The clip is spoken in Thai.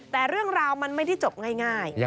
แต่เรื่องราวมันไม่ได้จบง่าย